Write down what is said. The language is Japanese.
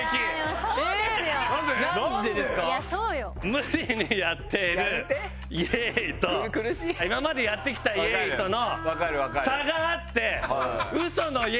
無理にやっている「イエーイ」と今までやってきた「イエーイ」との差があって。